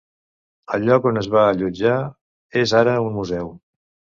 El lloc on es va allotjar és ara un museu.